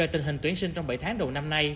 tính đến tháng bảy năm hai nghìn hai mươi ba